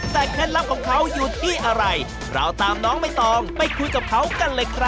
แต่เคล็ดลับของเขาอยู่ที่อะไรเราตามน้องใบตองไปคุยกับเขากันเลยครับ